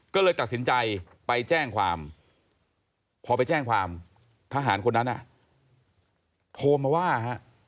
ก็เลยตัดสินใจไปแจ้งความพอไปแจ้งความทหารคนนั้นโทรมาว่าฮะ